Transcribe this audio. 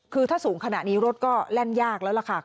คือถ้าสูงขนาดนี้รถก็แล่นยากแล้วล่ะค่ะ